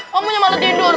kamunya malah tidur